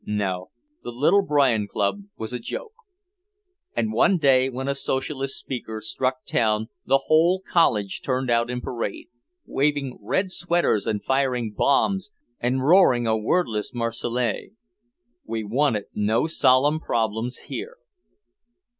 No. The little Bryan club was a joke. And one day when a socialist speaker struck town the whole college turned out in parade, waving red sweaters and firing "bombs" and roaring a wordless Marseillaise! We wanted no solemn problems here!